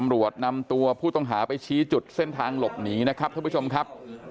ตำรวจนำตัวผู้ต้องหาไปชี้จุดเส้นทางหลบหนีนะครับท่านผู้ชมครับ